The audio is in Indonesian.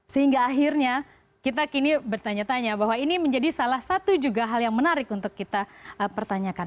sehingga akhirnya kita kini bertanya tanya bahwa ini menjadi salah satu juga hal yang menarik untuk kita pertanyakan